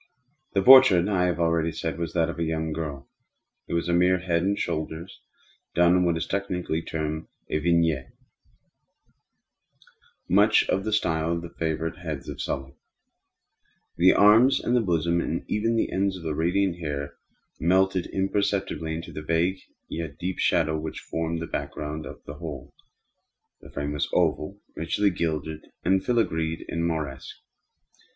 The portrait, I have already said, was that of a young girl. It was a mere head and shoulders, done in what is technically termed a vignette manner; much in the style of the favorite heads of Sully. The arms, the bosom, and even the ends of the radiant hair melted imperceptibly into the vague yet deep shadow which formed the back ground of the whole. The frame was oval, richly gilded and filigreed in Moresque.